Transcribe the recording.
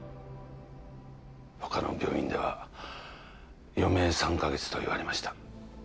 他の病院では余命３か月と言われました